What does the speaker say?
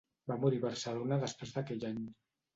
Va morir a Barcelona després d'aquell any.